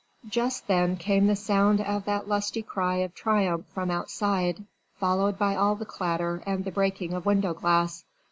Just then came the sound of that lusty cry of triumph from outside, followed by all the clatter and the breaking of window glass.